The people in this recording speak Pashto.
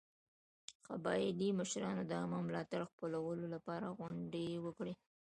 قبایلي مشرانو د عامه ملاتړ خپلولو لپاره غونډې وکړې.